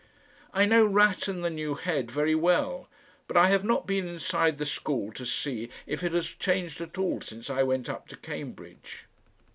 I know Ratten, the new Head, very well, but I have not been inside the school to see if it has changed at all since I went up to Cambridge.